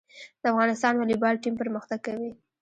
د افغانستان والیبال ټیم پرمختګ کوي